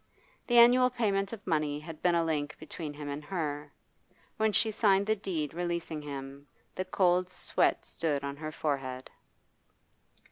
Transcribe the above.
The annual payment of money had been a link between him and her; when she signed the deed releasing him, the cold sweat stood on her forehead.